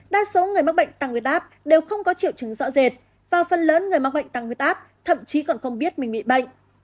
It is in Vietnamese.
đa số người mắc bệnh tăng huyết áp đều không có triệu chứng rõ rệt và phần lớn người mắc bệnh tăng huyết áp thậm chí còn không biết mình bị bệnh